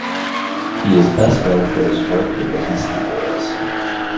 He is best known for his work with the Beastie Boys.